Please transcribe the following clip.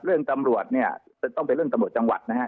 ตำรวจเนี่ยต้องเป็นเรื่องตำรวจจังหวัดนะฮะ